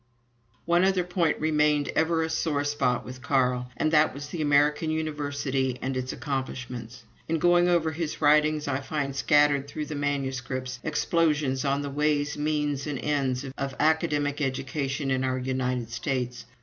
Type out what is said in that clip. One other point remained ever a sore spot with Carl, and that was the American university and its accomplishments. In going over his writings, I find scattered through the manuscripts explosions on the ways, means, and ends, of academic education in our United States.